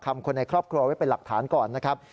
คนในครอบครัวไว้เป็นหลักฐานก่อนนะครับ